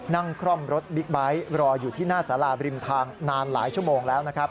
คล่อมรถบิ๊กไบท์รออยู่ที่หน้าสาราบริมทางนานหลายชั่วโมงแล้วนะครับ